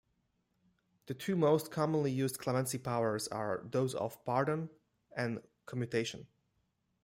The two most commonly used clemency powers are those of pardon and commutation.